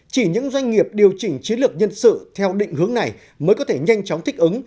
chỉ những doanh nghiệp điều chỉnh chiến lược nhân sự theo định hướng này mới có thể nhanh chóng thích ứng